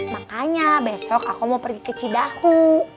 makanya besok aku mau pergi ke cidahu